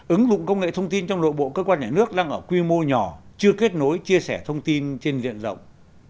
ứng dụng công nghệ thông tin trong nội bộ cơ quan nhà nước đang ở quy mô nhỏ chưa kết nối chia sẻ thông tin trên diện rộng